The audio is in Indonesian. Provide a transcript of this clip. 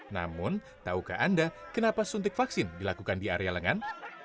namun tahukah anda kenapa suntik vaksin dilakukan di area lengan